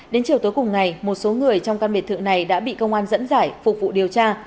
đến chiều tối cùng ngày một số người trong căn biệt thự này đã bị công an dẫn giải phục vụ điều tra